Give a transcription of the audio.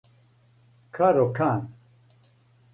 каро кан